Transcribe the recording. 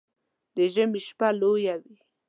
د ژمي شپه لويه وي